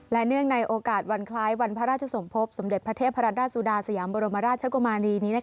และเนื่องในโอกาสวันคล้ายวันพระราชสมภพสมเด็จพระเทพรัตดาสุดาสยามบรมราชกุมานีนี้